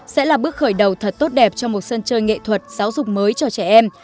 sẽ là bước khởi đầu thật tốt đẹp cho một sân chơi nghệ thuật giáo dục mới cho trẻ em